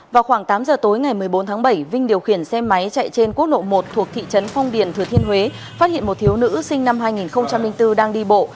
vào khoảng tám giờ tối ngày một mươi bốn tháng bảy vinh điều khiển xe máy chạy trên quốc lộ một thuộc thị trấn phong điền thừa thiên huế phát hiện một thiếu nữ sinh năm hai nghìn bốn đang đi bộ